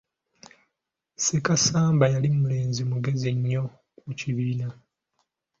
Sekasamba yali mulenzi mugezi nnyo mu kibiina.